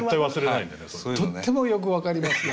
とってもよく分かりますよ。